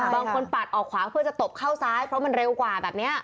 ปัดออกขวาเพื่อจะตบเข้าซ้ายเพราะมันเร็วกว่าแบบนี้